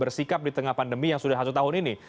bersikap di tengah pandemi yang sudah satu tahun ini